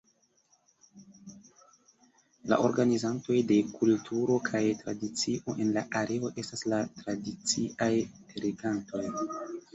La organizantoj de kulturo kaj tradicio en la areo estas la tradiciaj regantoj.